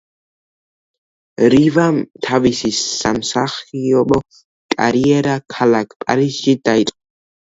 რივამ თავისი სამსახიობო კარიერა ქალაქ პარიზში დაიწყო.